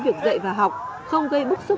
việc dạy và học không gây bức xúc